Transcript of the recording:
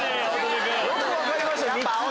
よく分かりましたね３つで。